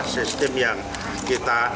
sistem yang kita